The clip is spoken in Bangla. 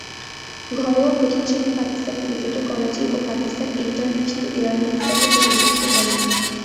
ঘরোয়া প্রথম-শ্রেণীর পাকিস্তানি ক্রিকেটে করাচি ও পাকিস্তান ইন্টারন্যাশনাল এয়ারলাইন্স দলের প্রতিনিধিত্ব করেন।